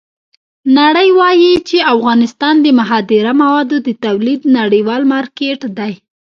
نړۍ وایي چې افغانستان د مخدره موادو د تولید نړیوال مارکېټ دی.